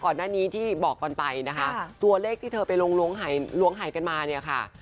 ก่อนหน้านี้ที่บอกกันไปนะคะตัวเลขที่เธอไปลงหายกันมาเนี่ยค่ะ